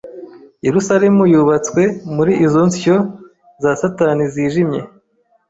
Yerusalemu yubatswe Muri izo nsyo za satani zijimye